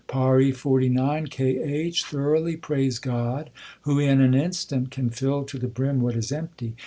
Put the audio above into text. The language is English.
PAURI XLIX K H. Thoroughly praise God Who in an instant can fill to the brim what is empty.